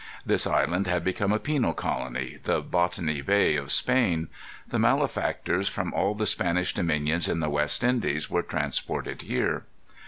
This island had become a penal colony, the Botany Bay, of Spain. The malefactors from all the Spanish dominions in the West Indies were transported here.